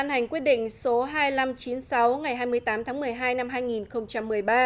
hành quyết định số hai nghìn năm trăm chín mươi sáu ngày hai mươi tám tháng một mươi hai năm hai nghìn một mươi ba